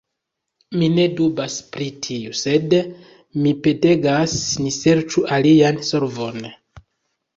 Mi ne dubas pri tio, sed, mi petegas, ni serĉu alian solvon.